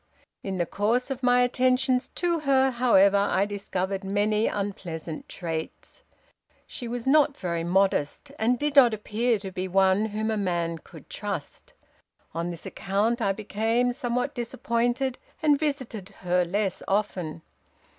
In the course of my attentions to her, however, I discovered many unpleasant traits. She was not very modest, and did not appear to be one whom a man could trust. On this account, I became somewhat disappointed, and visited her less often.